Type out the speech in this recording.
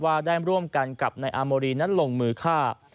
ว่าได้ร่วมกันกับนายอาโมรีนั้นลงมือฆ่า